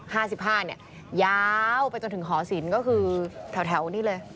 ห้าสิบห้าเนี่ยยาวไปจนถึงหอศิลป์ก็คือแถวแถวนี่เลย